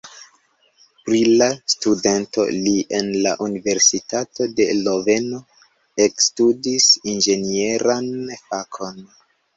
Brila studento, li en la universitato de Loveno ekstudis inĝenieran fakon.